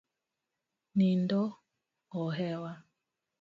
Nindo ohewa.